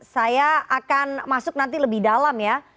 saya akan masuk nanti lebih dalam ya